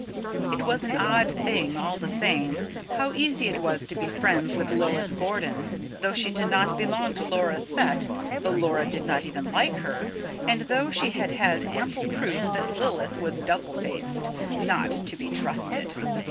It was an odd thing, all the same, how easy it was to be friends with Lilith Gordon: though she did not belong to Laura's set though Laura did not even like her, and though she had had ample proof that Lilith was double faced, not to be trusted.